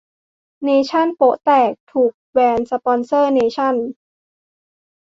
เนชั่นโป๊ะแตก ถูก แบนสปอนเซอร์เนชั่น